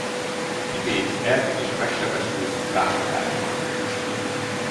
Kibédi Ervin is megsebesült a támadásban.